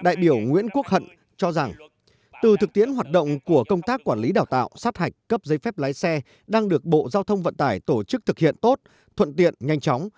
đại biểu nguyễn quốc hận cho rằng từ thực tiễn hoạt động của công tác quản lý đào tạo sát hạch cấp giấy phép lái xe đang được bộ giao thông vận tải tổ chức thực hiện tốt thuận tiện nhanh chóng